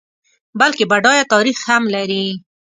بلکه بډایه تاریخ هم لري.